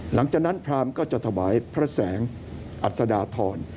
หลังจากนั้นพรามก็จะถวายพระแสงอัศดาธร